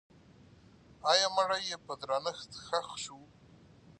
آیا مړی یې په درنښت ښخ سو؟